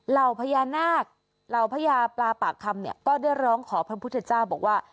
เหล่าพญานาคเหล่าพญาปลาปากคำเนี่ยก็ได้ร้องขอพระพุทธเจ้าบอกว่า